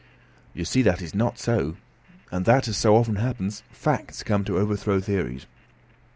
"You see that it is not so, and that, as so often happens, facts come to overthrow theories."